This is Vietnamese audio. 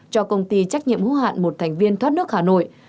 cho công ty trách nhiệm hữu hạn một thành viên thoát nước hà nội